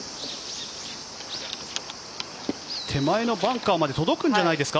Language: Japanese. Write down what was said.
手前のバンカーまで届くんじゃないですか